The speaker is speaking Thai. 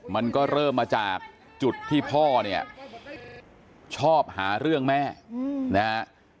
มันก็เริ่มมาจากจุดที่พ่อเนี่ยชอบหาเรื่องแม่นะฮะ